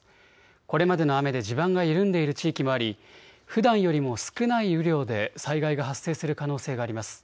これまでの雨で地盤が緩んでいる地域もありふだんよりも少ない雨量で災害が発生する可能性があります。